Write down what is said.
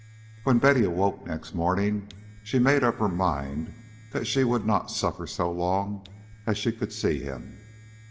XIX When Betty awoke next morning, she made up her mind that she would not suffer so long as she could see him.